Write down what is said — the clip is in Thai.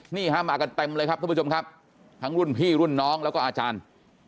นี่ฮะมากันเต็มเลยครับท่านผู้ชมครับทั้งรุ่นพี่รุ่นน้องแล้วก็อาจารย์